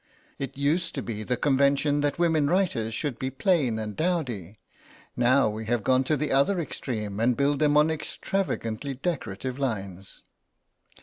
It used to be the convention that women writers should be plain and dowdy; now we have gone to the other extreme and build them on extravagantly decorative lines."